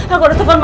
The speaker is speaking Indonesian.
aku sudah terpaksa